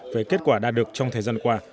về kết quả đạt được trong thời gian qua